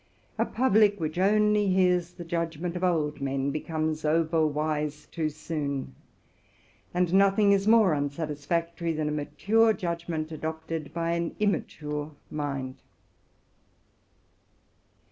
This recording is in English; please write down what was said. A public which only heats the judgment of old men. becomes over wise too soon, and nothing is more unsatisfactory than a mature judgment adopted by : an immature mind.